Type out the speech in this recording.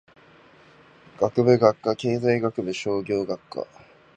学部・学科経済学部商業学科